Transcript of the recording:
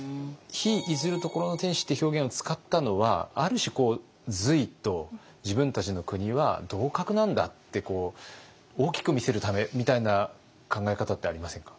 「日出ずる処の天子」って表現を使ったのはある種こう隋と自分たちの国は同格なんだって大きく見せるためみたいな考え方ってありませんか？